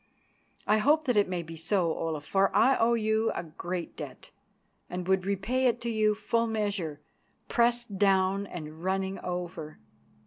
I hope that it may be so, Olaf, for I owe you a great debt and would repay it to you full measure, pressed down and running over.